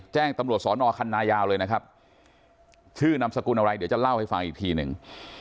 แจ้งตำรวจสอนอคันนายาวเลยนะครับชื่อนามสกุลอะไรเดี๋ยวจะเล่าให้ฟังอีกทีหนึ่ง